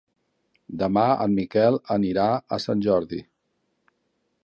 Demà en Miquel anirà a Sant Jordi.